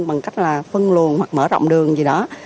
bằng cách là phân luồn hoặc mở rộng đường gì đó